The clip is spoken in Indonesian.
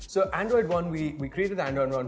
jadi android one kami membuat program android one